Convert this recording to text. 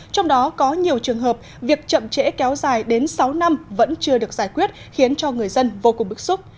trong đó có nhiều trường hợp việc chậm trễ kéo dài đến sáu năm vẫn chưa được giải quyết khiến cho người dân vô cùng bức xúc